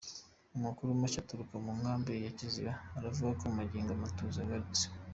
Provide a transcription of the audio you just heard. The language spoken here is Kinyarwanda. Amakuru mashya aturuka mu nkambi ya Kiziba aravuga ko magingo umutuzo wa garutse.